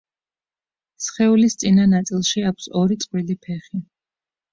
სხეულის წინა ნაწილში აქვს ორი წყვილი ფეხი.